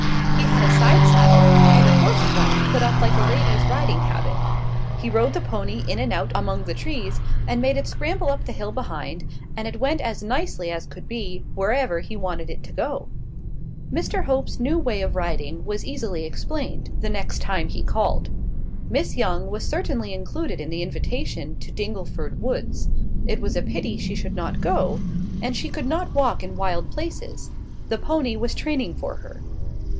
He had a side saddle, and a horse cloth put on like a lady's riding habit. He rode the pony in and out among the trees, and made it scramble up the hill behind, and it went as nicely as could be, wherever he wanted it to go. Mr Hope's new way of riding was easily explained, the next time he called. Miss Young was certainly included in the invitation to Dingleford woods: it was a pity she should not go; and she could not walk in wild places: the pony was training for her.